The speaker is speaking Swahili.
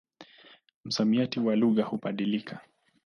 Msamiati wa lugha hubadilika.